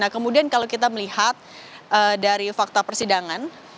nah kemudian kalau kita melihat dari fakta persidangan